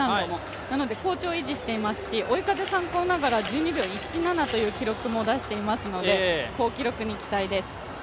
なので好調を維持していますし追い風参考ながら１２秒１７という記録も出していますので好記録に期待です。